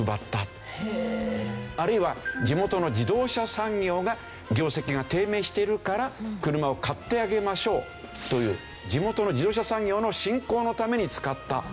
あるいは地元の自動車産業が業績が低迷しているから車を買ってあげましょうという地元の自動車産業の振興のために使った。